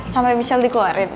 sampai michelle dikeluarin